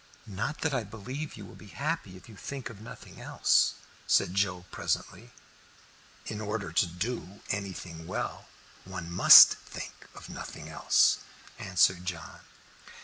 "Not that I believe you will be happy if you think of nothing else," said Joe presently. "In order to do anything well, one must think of nothing else," answered John.